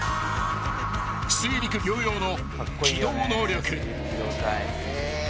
［水陸両用の機動能力］